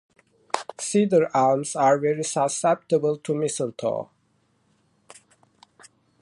Cedar elms are very susceptible to mistletoe.